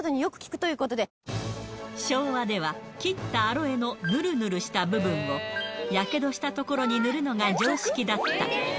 昭和では、切ったアロエのぬるぬるした部分を、やけどした所に塗るのが常識だった。